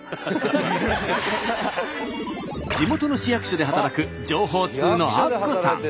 地元の市役所で働く情報通のアッコさん。